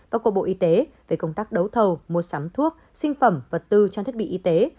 và của bộ y tế về công tác đấu thầu mua sắm thuốc sinh phẩm vật tư trang thiết bị y tế